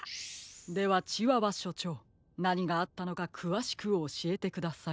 ではチワワしょちょうなにがあったのかくわしくおしえてください。